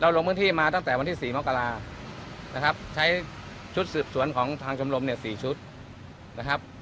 ลงพื้นที่มาตั้งแต่วันที่๔มกรานะครับใช้ชุดสืบสวนของทางชมรมเนี่ย๔ชุดนะครับ